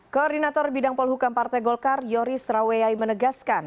koordinator bidang polhukam partai golkar yoris raweyai menegaskan